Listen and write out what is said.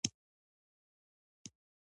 ملاوي متل وایي مشرانو ته یو طرفه خوړل نه دي.